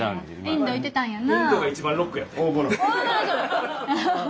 インド行ってたんやな。